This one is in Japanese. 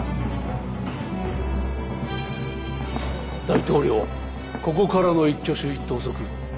大統領ここからの一挙手一投足